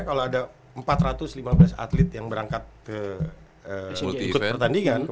kalau ada empat ratus lima belas atlet yang berangkat ke